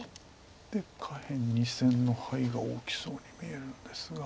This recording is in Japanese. で下辺２線のハイが大きそうに見えるんですが。